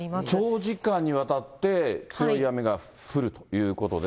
長時間にわたって強い雨が降るっていうことです。